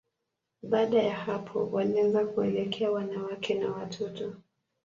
Baada ya hapo, walianza kuelekea wanawake na watoto.